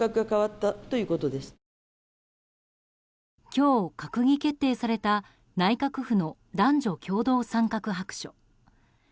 今日、閣議決定された内閣府の男女共同参画白書。